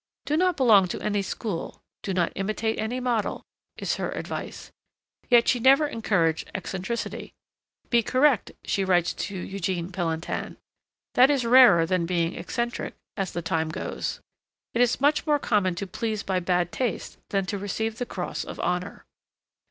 'Do not belong to any school: do not imitate any model,' is her advice. Yet she never encouraged eccentricity. 'Be correct,' she writes to Eugene Pelletan, 'that is rarer than being eccentric, as the time goes. It is much more common to please by bad taste than to receive the cross of honour.'